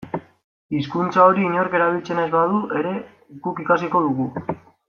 Hizkuntza hori inork erabiltzen ez badu ere guk ikasiko dugu.